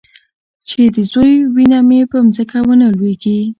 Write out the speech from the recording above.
چې د زوى وينه مې په ځمکه ونه لوېږي.